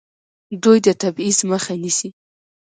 دوی د تبعیض مخه نیسي.